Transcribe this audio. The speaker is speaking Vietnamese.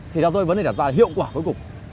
thì đó tôi vẫn đạt ra hiệu quả cuối cùng